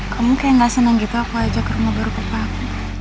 kamu kayak gak senang gitu aku ajak rumah baru ke pak